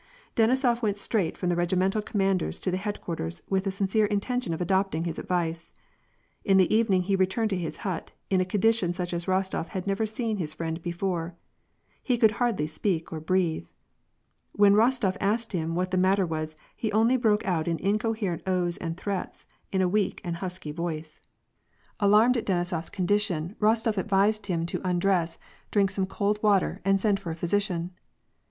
Denisof went straight from the regimental commander's to the headquarters, with a sincere intention of adopting his ad vice. In the evening he returned to his hut in a condition such as Rostof had never seen his friend before. He could hardly speak or breathe. When Rostof asked him what the matter was, he only broke out in incoherent oaths and threats, in a weak and husky voice. WAR AND PEACE. 138 Alarmed at Benisofs condition, Bostof advised him to un dress, drink some cold water, and send for a physician.